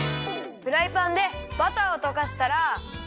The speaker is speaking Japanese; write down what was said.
フライパンでバターをとかしたら。